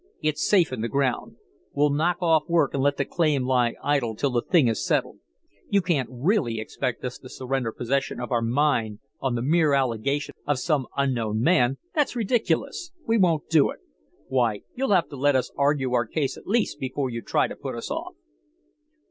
It's safe in the ground. We'll knock off work and let the claim lie idle till the thing is settled. You can't really expect us to surrender possession of our mine on the mere allegation of some unknown man. That's ridiculous. We won't do it. Why, you'll have to let us argue our case, at least, before you try to put us off."